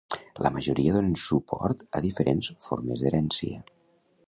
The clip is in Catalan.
La majoria donen suport a diferents formes d'herència.